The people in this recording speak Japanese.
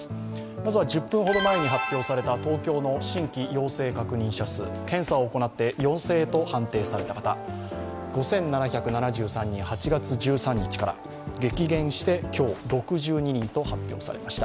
まずは１０分ほど前に発表された東京の新規陽性確認者数検査を行って陽性と判定された方、５７７３人、８月１３日から激減して今日６２人と発表されました。